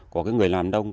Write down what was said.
của người làm đông